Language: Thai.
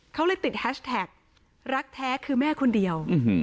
เขาเลยติดแฮชแท็กรักแท้คือแม่คนเดียว